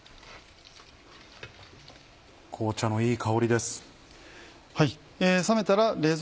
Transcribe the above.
紅茶のいい香りです。